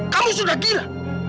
kamu sudah gila